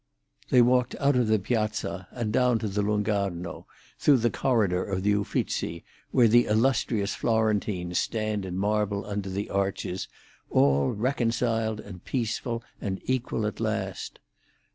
They walked out of the Piazza and down to the Lung' Arno, through the corridor of the Uffizzi, where the illustrious Florentines stand in marble under the arches, all reconciled and peaceful and equal at last.